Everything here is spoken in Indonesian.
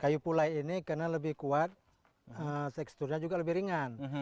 kayu pulai ini karena lebih kuat teksturnya juga lebih ringan